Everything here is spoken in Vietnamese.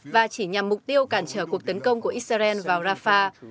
và chỉ nhằm mục tiêu cản trở cuộc tấn công của israel vào rafah